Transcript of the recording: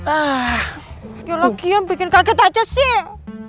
ah ya lagian bikin kaget aja sih